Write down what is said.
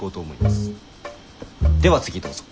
では次どうぞ。